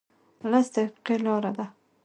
لس دقیقې لاره ده